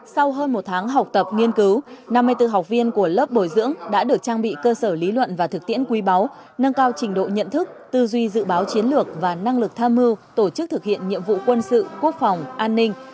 sau hơn một tháng học tập nghiên cứu năm mươi bốn học viên của lớp bồi dưỡng đã được trang bị cơ sở lý luận và thực tiễn quý báu nâng cao trình độ nhận thức tư duy dự báo chiến lược và năng lực tham mưu tổ chức thực hiện nhiệm vụ quân sự quốc phòng an ninh